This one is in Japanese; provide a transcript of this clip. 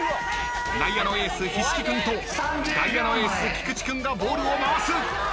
［内野のエース菱木君と外野のエース菊池君がボールを回す］